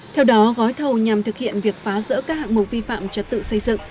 theo đó gói thầu nhằm thực hiện việc phá rỡ các hạng mục vi phạm trật tự xây dựng